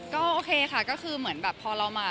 ก็โอเคค่ะก็คือเหมือนแบบพอเรามา